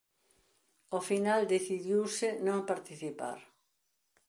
Ao final decidiuse non participar.